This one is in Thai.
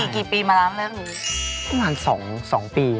กี่ปีมาเริ่มเรื่องนี้